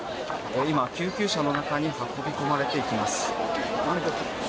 今、救急車の中に運び込まれていきます。